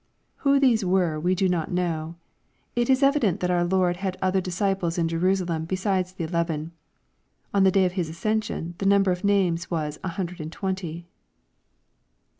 l Who these were we do not know. It is evi dent that our Lord had other disciples in Jerusalem beside the eleven. On the day of His ascension the number of names was a " hundred and twenty."